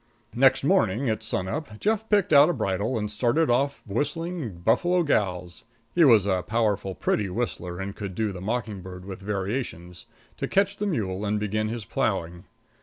Next morning at sunup Jeff picked out a bridle and started off whistling Buffalo Gals he was a powerful pretty whistler and could do the Mocking Bird with variations to catch the mule and begin his plowing.